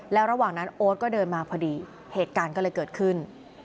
แล้วระหว่างนั้นโอ๊ตก็เดินมาพอดีเหตุการณ์ก็เลยเกิดขึ้น